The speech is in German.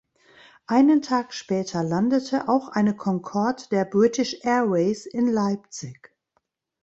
Einen Tag später landete auch eine Concorde der British Airways in Leipzig.